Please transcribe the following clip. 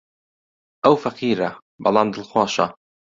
ئەو فەقیرە، بەڵام دڵخۆشە.